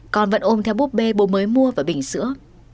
còn vẫn ôm theo búp bê bố mới mua và bình sữa